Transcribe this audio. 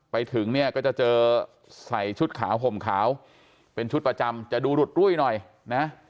ไปถึงเนี่ยก็จะเจอใส่ชุดขาวห่มขาวเป็นชุดประจำจะดูหลุดรุ่ยหน่อยนะ